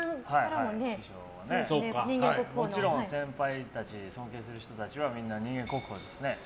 もちろん先輩たち尊敬する人たちはみんな人間国宝ですね。